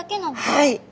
はい。